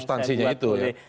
substansinya itu ya